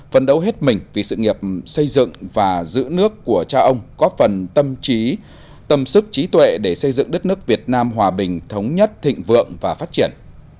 phấn đấu hết mình vì sự nghiệp xây dựng và giữ nước của cha ông có phần tâm sức trí tuệ để xây dựng đất nước việt nam hòa bình thống nhất thịnh vượng và phát triển